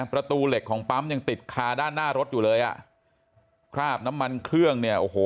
ประตูเหล็กของปั๊มยังติดคาด้านหน้ารถอยู่เลยอ่ะคราบน้ำมันเครื่องเนี่ยโอ้โห